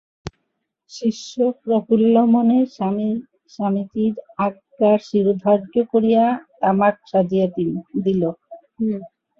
শিষ্য প্রফুল্লমনে স্বামীজীর আজ্ঞা শিরোধার্য করিয়া তামাক সাজিয়া দিল।